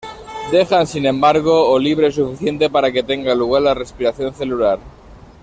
Deja, sin embargo, O libre suficiente para que tenga lugar la respiración celular.